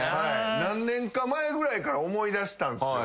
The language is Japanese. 何年か前ぐらいから思いだしたんすよ。